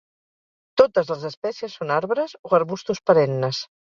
Totes les espècies són arbres o arbustos perennes.